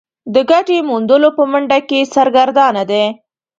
د ګټې موندلو په منډه کې سرګردانه دي.